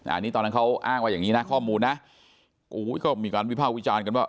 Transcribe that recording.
อันนี้ตอนนั้นเขาอ้างว่าอย่างนี้นะข้อมูลนะโอ้ยก็มีการวิภาควิจารณ์กันว่า